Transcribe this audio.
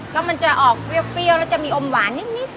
ก็มันจะออกเปรี้ยวแล้วจะมีอมหวานนิด